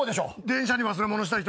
電車に忘れ物した人の。